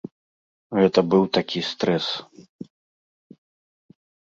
Гэта быў такі стрэс.